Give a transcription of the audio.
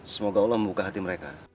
semoga allah membuka hati mereka